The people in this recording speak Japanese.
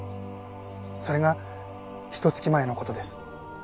それがひと月前の事です。